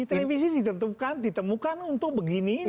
televisi ditentukan ditemukan untuk begini ini